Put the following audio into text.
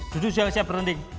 dudu siap bertanding